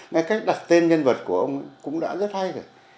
ngay cách đặt tên nhân vật của ông cũng đã rất hay rồi